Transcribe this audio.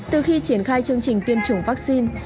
từ khi triển khai chương trình tiêm chủng vaccine